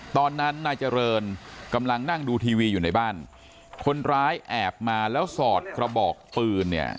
ตอนนั้นนายเจริญกำลังนั่งดูทีวีอยู่ในบ้านคนร้ายแอบมาแล้วสอดกระบอกปืนเนี่ย